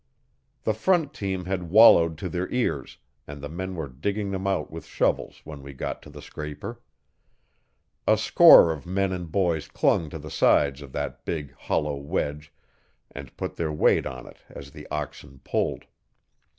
The front team had wallowed to their ears, and the men were digging them out with shovels when we got to the scraper. A score of men and boys clung to the sides of that big, hollow wedge, and put their weight on it as the oxen pulled.